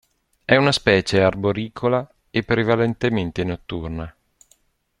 È una specie arboricola e prevalentemente notturna.